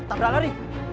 tak berang lari